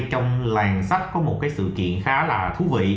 trong làng sách có một cái sự kiện khá là thú vị